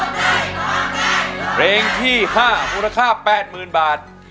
เพลงที่ห้ามูลค่าแปดหมื่นบาท